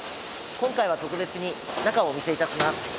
今回は特別に中をお見せ致します。